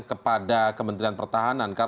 kepada kementerian pertahanan